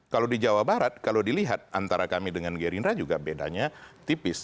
kalau di jawa barat kalau dilihat antara kami dengan gerindra juga bedanya tipis